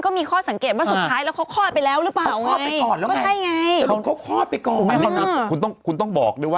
กอดแรง